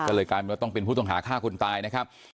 ก็เลยกลายเป็นว่าต้องเป็นผู้ต้องหาฆ่าคนตายนะครับ